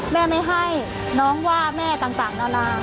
แม่ไม่ให้น้องว่าแม่ต่างนานา